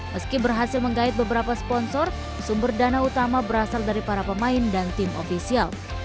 meski berhasil menggait beberapa sponsor sumber dana utama berasal dari para pemain dan tim ofisial